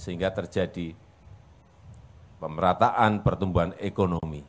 sehingga terjadi pemerataan pertumbuhan ekonomi